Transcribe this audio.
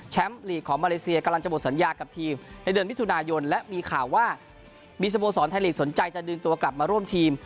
หลีกของมาเลเซียกำลังจะหมดสัญญากับทีมในเดือนมิถุนายนและมีข่าวว่ามีสโมสรไทยลีกสนใจจะดึงตัวกลับมาร่วมทีม